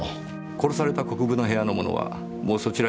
殺された国分の部屋のものはもうそちらに来ていますか？